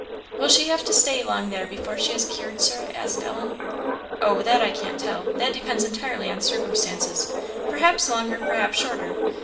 "Will she have to stay long there before she is cured, Sir?" asked Ellen. "Oh, that I can't tell; that depends entirely on circumstances perhaps longer, perhaps shorter.